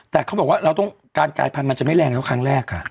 แต่เขาบอกว่าการกลายพันธุ์มันจะไม่แรงเท่าครั้งแรกค่ะ